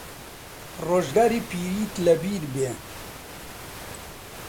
ڕۆژگاری پیریت لە بیر بێ